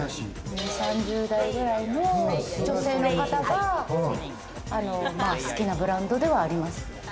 ２０３０代くらいの女性の方がまぁ好きなブランドではあります。